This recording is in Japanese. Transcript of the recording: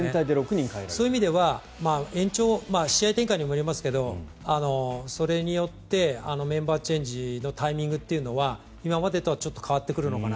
そういう意味では延長、試合展開にもよりますがそれによってメンバーチェンジのタイミングというのは今までとはちょっと変わってくるのかな。